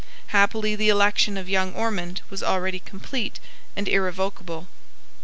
Happily the election of young Ormond was already complete and irrevocable.